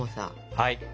はい。